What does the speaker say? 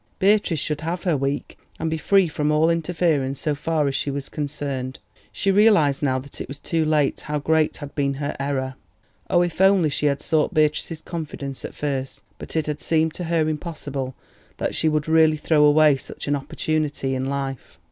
Beatrice should have her week, and be free from all interference so far as she was concerned. She realised now that it was too late how great had been her error. Oh, if only she had sought Beatrice's confidence at first! But it had seemed to her impossible that she would really throw away such an opportunity in life.